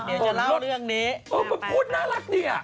ดีจะเล่าเรื่องนี้นะฟึมฟุ้นน่ารักเนี่ยอะ